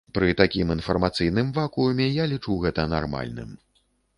Пры такім інфармацыйным вакууме, я лічу гэта нармальным.